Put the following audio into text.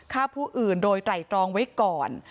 ฆ่าผู้อื่นโดยไตรตรองไว้ก่อน